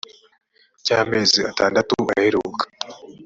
cy amezi atandatu aheruka